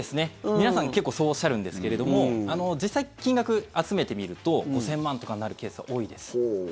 皆さん結構そうおっしゃるんですけど実際、金額集めてみると５０００万とかになるケースは多いです。